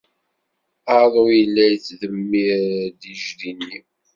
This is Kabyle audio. Aḍu yella yettdemmir-d ijdi-nni.